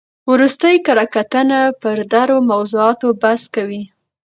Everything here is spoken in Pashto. ورستۍ کره کتنه پر درو موضوعاتو بحث کوي.